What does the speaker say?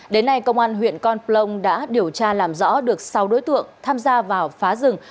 đến nay công an huyện con plong đã điều tra làm rõ được sáu đối tượng tham gia vào phá rừng